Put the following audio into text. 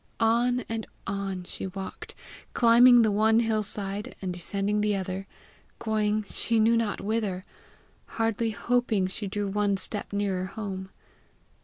On and on she walked, climbing the one hillside and descending the other, going she knew not whither, hardly hoping she drew one step nearer home.